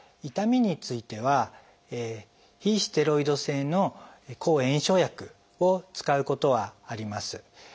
痛みについては非ステロイド性の抗炎症薬を使うことはあります。